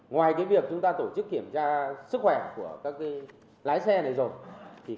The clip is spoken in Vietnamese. ngoài việc chúng ta tổ chức kiểm tra sức khỏe của các lái xe này rồi